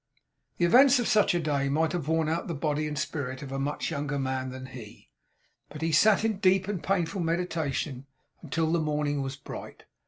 The events of such a day might have worn out the body and spirit of a much younger man than he, but he sat in deep and painful meditation until the morning was bright.